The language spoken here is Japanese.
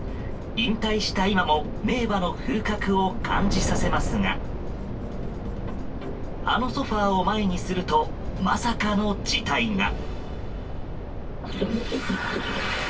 引退した今も名馬の風格を感じさせますがあのソファを前にするとまさかの事態が。